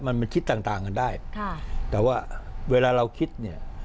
มันมันคิดต่างต่างกันได้ค่ะแต่ว่าเวลาเราคิดเนี่ย